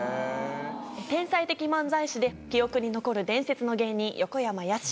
天才的漫才師で、記憶に残る伝説の芸人、横山やすし。